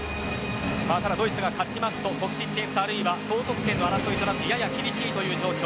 ただドイツが勝ちますと得失点差、あるいは総得点争いとなってやや厳しいという状況。